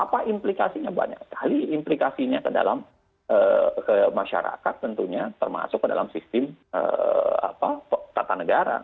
apa implikasinya banyak sekali implikasinya ke dalam ke masyarakat tentunya termasuk ke dalam sistem tata negara